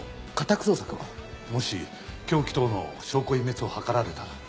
もし凶器等の証拠隠滅を図られたら。